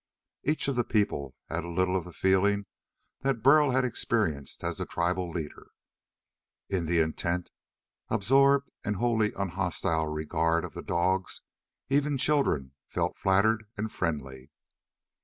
Each of the people had a little of the feeling that Burl had experienced as the tribal leader. In the intent, absorbed and wholly unhostile regard of the dogs, even children felt flattered and friendly.